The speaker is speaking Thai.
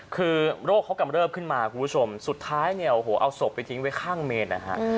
คือโรคเขากำลับขึ้นมาคุณผู้ชมสุดท้ายเอาศพไปทิ้งไว้ข้างเมตร